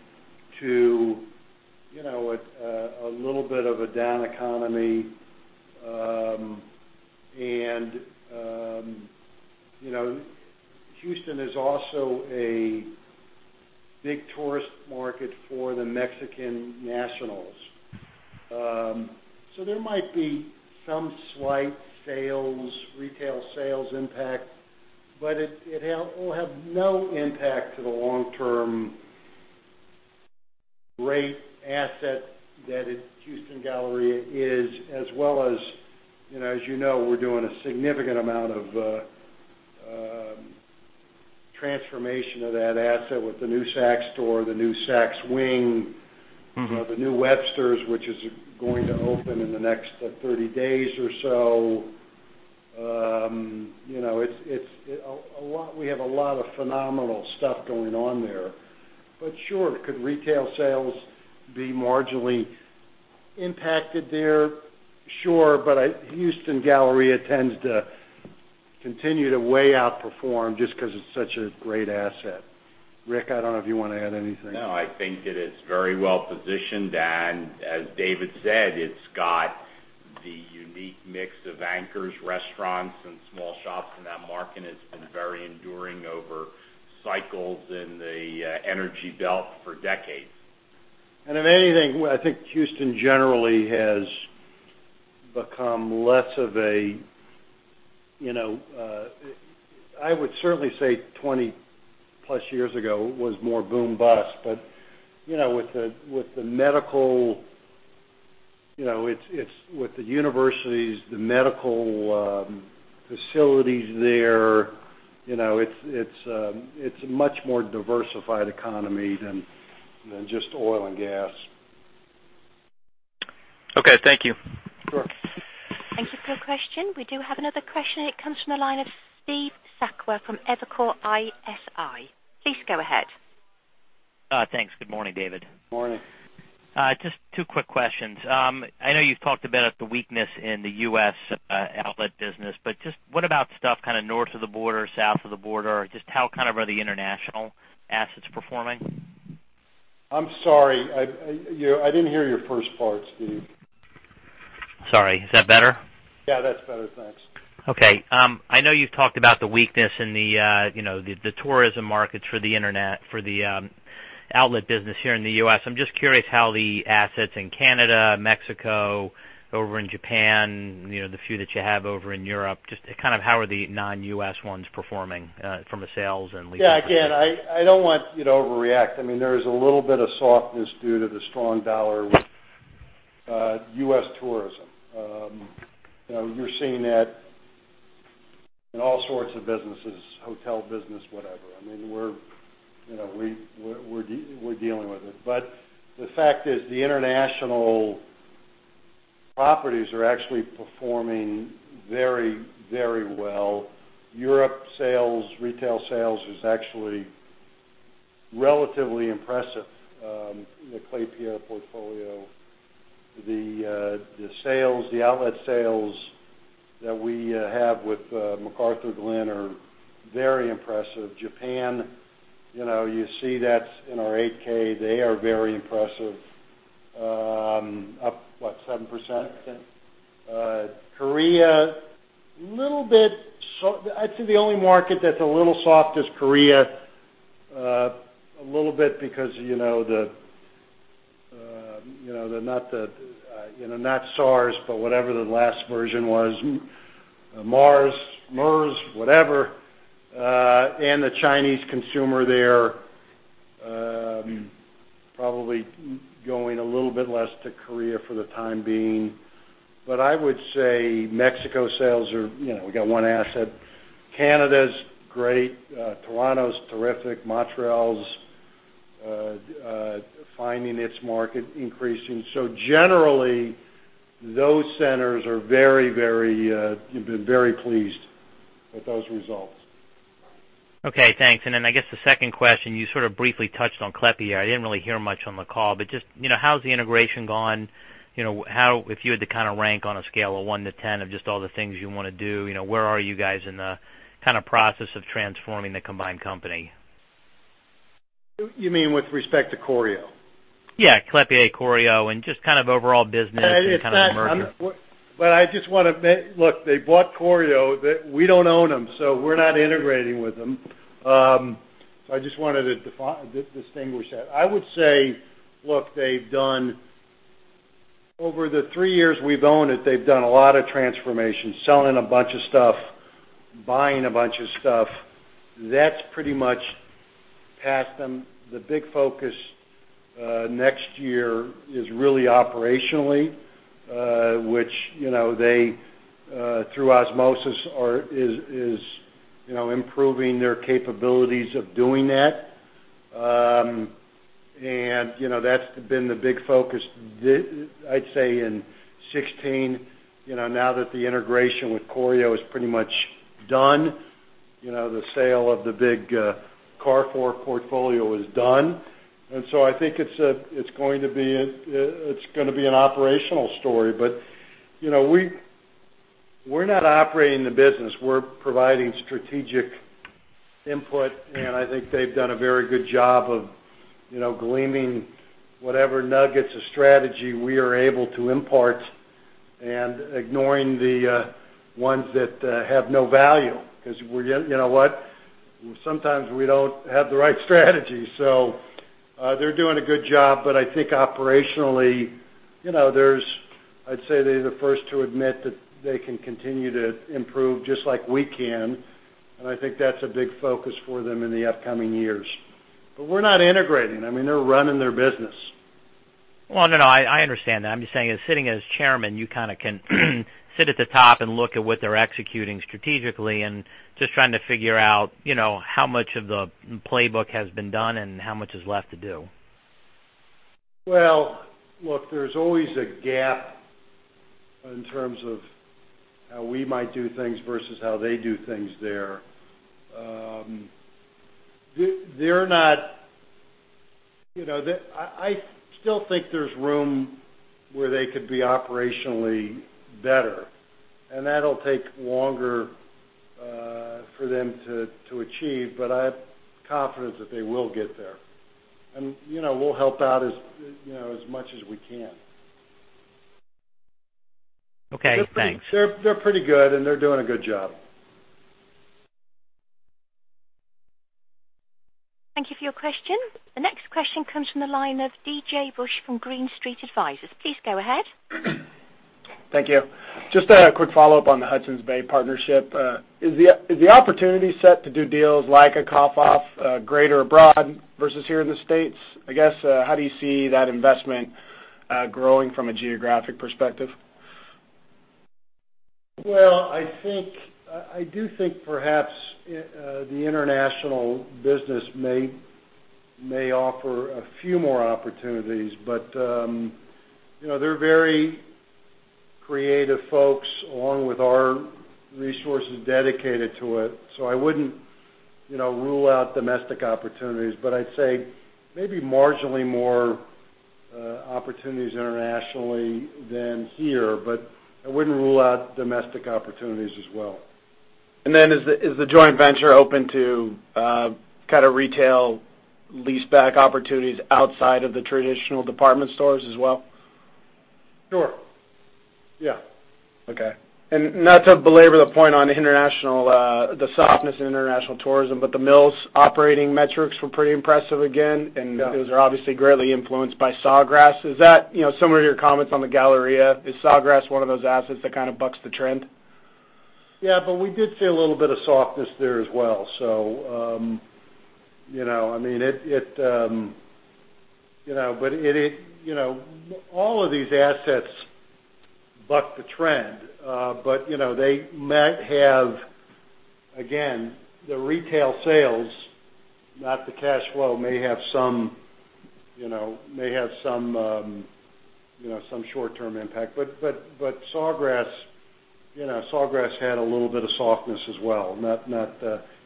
to a little bit of a down economy, and Houston is also a big tourist market for the Mexican nationals. There might be some slight retail sales impact, but it will have no impact to the long-term great asset that Houston Galleria is, as well as you know, we're doing a significant amount of transformation of that asset with the new Saks store, the new Saks wing- the new The Webster, which is going to open in the next 30 days or so. We have a lot of phenomenal stuff going on there. Sure, could retail sales be marginally impacted there? Sure. Houston Galleria tends to continue to way outperform just because it's such a great asset. Rick, I don't know if you want to add anything. No, I think it is very well positioned. As David said, it's got the unique mix of anchors, restaurants, and small shops in that market, and it's been very enduring over cycles in the energy belt for decades. If anything, I think Houston generally has become less of a I would certainly say 20 plus years ago, it was more boom bust. With the universities, the medical facilities there, it's a much more diversified economy than just oil and gas. Okay, thank you. Sure. Thank you for your question. We do have another question. It comes from the line of Steve Sakwa from Evercore ISI. Please go ahead. Thanks. Good morning, David. Morning. Just two quick questions. I know you've talked about the weakness in the U.S. outlet business, but just what about stuff kind of north of the border, south of the border? Just how are the international assets performing? I'm sorry. I didn't hear your first part, Steve. Sorry. Is that better? Yeah, that's better. Thanks. Okay. I know you've talked about the weakness in the tourism markets for the international, for the outlet business here in the U.S. I'm just curious how the assets in Canada, Mexico, over in Japan, the few that you have over in Europe, just kind of how are the non-U.S. ones performing from a sales and leasing perspective? Yeah. Again, I don't want you to overreact. There is a little bit of softness due to the strong dollar with U.S. tourism. You're seeing that in all sorts of businesses, hotel business, whatever. We're dealing with it. The fact is, the international properties are actually performing very well. Europe retail sales is actually relatively impressive in the Klépierre portfolio. The outlet sales that we have with McArthurGlen are very impressive. Japan, you see that in our 8-K. They are very impressive. Up, what, 7%? 7%. Korea, a little bit soft. I'd say the only market that's a little soft is Korea, a little bit because of not SARS, but whatever the last version was, MERS, whatever. The Chinese consumer there probably going a little bit less to Korea for the time being. I would say Mexico sales are. We got one asset. Canada's great. Toronto's terrific. Montreal's finding its market increasing. Generally, those centers are very. We've been very pleased with those results. Okay, thanks. I guess the second question, you sort of briefly touched on Klépierre. I didn't really hear much on the call, but just how's the integration gone? If you had to kind of rank on a scale of one to 10 of just all the things you want to do, where are you guys in the kind of process of transforming the combined company? You mean with respect to Corio? Yeah, Klépierre, Corio, just kind of overall business and kind of the merger. They bought Corio. We don't own them, so we're not integrating with them. I just wanted to distinguish that. I would say, look, over the three years we've owned it, they've done a lot of transformation, selling a bunch of stuff, buying a bunch of stuff. That's pretty much passed them. The big focus next year is really operationally, which they, through osmosis, is improving their capabilities of doing that. That's been the big focus, I'd say in 2016, now that the integration with Corio is pretty much done, the sale of the big Carrefour portfolio is done. I think it's going to be an operational story. We're not operating the business. We're providing strategic input. I think they've done a very good job of gleaming whatever nuggets of strategy we are able to impart and ignoring the ones that have no value because you know what? Sometimes we don't have the right strategy. They're doing a good job, but I think operationally, I'd say they're the first to admit that they can continue to improve just like we can, and I think that's a big focus for them in the upcoming years. We're not integrating. They're running their business. Well, no, I understand that. I'm just saying, as sitting as chairman, you kind of can sit at the top and look at what they're executing strategically and just trying to figure out how much of the playbook has been done and how much is left to do. Well, look, there's always a gap in terms of how we might do things versus how they do things there. I still think there's room where they could be operationally better, and that'll take longer for them to achieve, but I have confidence that they will get there. We'll help out as much as we can. Okay, thanks. They're pretty good, and they're doing a good job. Thank you for your question. The next question comes from the line of D.J. Busch from Green Street Advisors. Please go ahead. Thank you. Just a quick follow-up on the Hudson's Bay partnership. Is the opportunity set to do deals like a Kaufhof greater abroad versus here in the U.S.? I guess, how do you see that investment growing from a geographic perspective? Well, I do think perhaps the international business may offer a few more opportunities, but they're very creative folks, along with our resources dedicated to it. I wouldn't rule out domestic opportunities, but I'd say maybe marginally more opportunities internationally than here, but I wouldn't rule out domestic opportunities as well. Is the joint venture open to kind of retail leaseback opportunities outside of the traditional department stores as well? Sure. Yeah. Okay. Not to belabor the point on the softness in international tourism, The Mills operating metrics were pretty impressive again. Yeah. Those are obviously greatly influenced by Sawgrass. Is that similar to your comments on the Galleria? Is Sawgrass one of those assets that kind of bucks the trend? Yeah, we did see a little bit of softness there as well. All of these assets buck the trend. They might have, again, the retail sales, not the cash flow, may have some short-term impact. Sawgrass had a little bit of softness as well.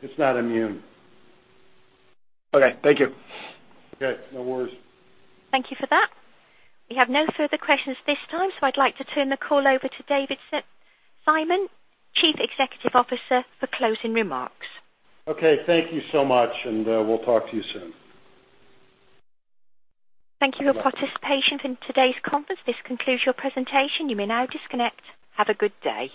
It's not immune. Okay. Thank you. Okay. No worries. Thank you for that. We have no further questions this time, so I'd like to turn the call over to David Simon, Chief Executive Officer, for closing remarks. Okay. Thank you so much, and we'll talk to you soon. Thank you for your participation in today's conference. This concludes your presentation. You may now disconnect. Have a good day.